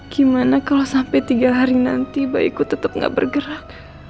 gimana kalau sampai tiga hari nanti bayiku tetap gak bergerak